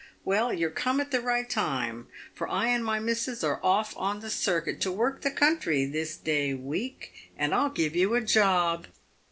Well, you're come at the right time, for I and my missus are off on the circuit to work the country this day week, and I'll give you a job."